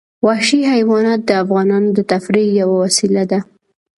وحشي حیوانات د افغانانو د تفریح یوه وسیله ده.